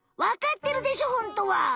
わかってるでしょホントは！